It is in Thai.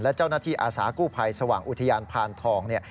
และเจ้าหน้าที่อาสากู้ภัยสว่างอุทยานพานทองเนี่ย